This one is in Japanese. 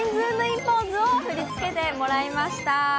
ポーズを振り付けてもらいました。